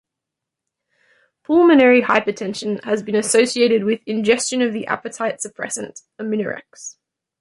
Pulmonary hypertension has been associated with ingestion of the appetite suppressant aminorex.